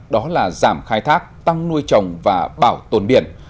đó là giảm khai thác tăng nuôi trồng và bảo tồn biển